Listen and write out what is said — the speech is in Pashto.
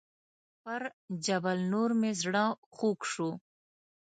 پر جبل النور مې زړه خوږ شو.